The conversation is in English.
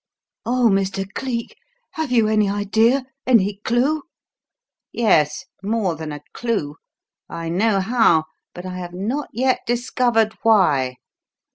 "Oh, Mr. Cleek, have you any idea any clue?" "Yes, more than a clue. I know how, but I have not yet discovered why.